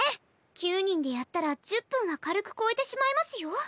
９人でやったら１０分は軽く超えてしまいますよ？